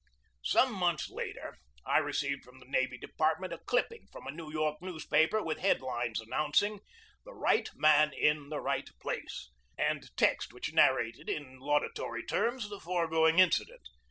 Some months later I received from the Navy De partment a clipping from a New York newspaper with head lines announcing, "The right man in the right place," and text which narrated in lauda tory terms the foregoing incident.